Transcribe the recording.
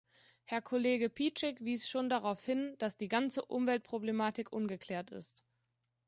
Herr Kollege Piecyk wies schon darauf hin, dass die ganze Umweltproblematik ungeklärt ist.